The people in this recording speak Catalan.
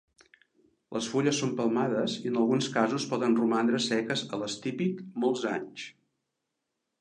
Les fulles són palmades i en alguns casos poden romandre seques a l'estípit molts anys.